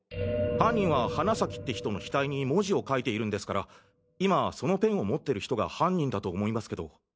犯人は花崎って人の額に文字を書いているんですから今そのペンを持っている人が犯人だと思いますけど。